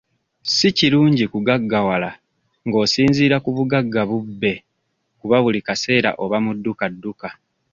Si kirungi kugaggawala nga osinziira ku bugagga bubbe kuba buli kaseera oba mu dduka dduka.